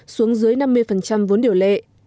xuống dưới năm mươi vốn điều lệ